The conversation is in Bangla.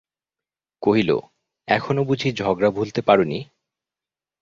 কহিল, এখনো বুঝি ঝগড়া ভুলতে পারো নি?